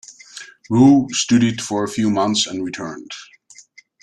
Wu studied for a few months and returned.